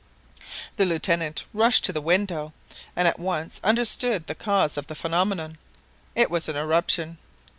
The Lieutenant rushed to the window, and at once understood the cause of the phenomenon. It was an eruption.